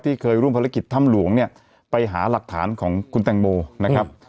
เคยร่วมภารกิจถ้ำหลวงเนี่ยไปหาหลักฐานของคุณแตงโมนะครับ